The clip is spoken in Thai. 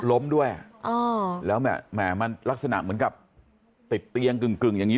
ล้มด้วยแล้วแหมมันลักษณะเหมือนกับติดเตียงกึ่งอย่างนี้